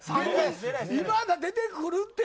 今田出てくるって。